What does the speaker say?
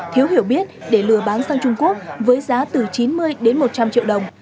thiếu hiểu biết để lừa bán sang trung quốc với giá từ chín mươi đến một trăm linh triệu đồng